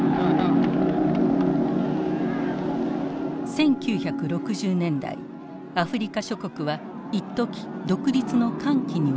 １９６０年代アフリカ諸国は一時独立の歓喜に沸いた。